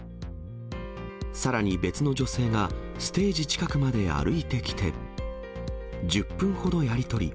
さらに別の女性が、ステージ近くまで歩いてきて、１０分ほどやり取り。